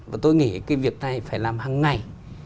và tôi nghĩ cái việc này phải làm hằng ngày